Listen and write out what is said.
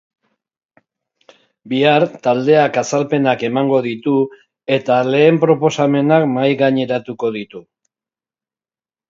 Bihar, taldeak azalpenak emango ditu eta lehen proposamenak mahaigaineratuko ditu.